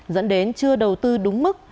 dẫn đến chưa đầu tư đúng mức